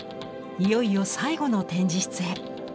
いよいよ最後の展示室へ！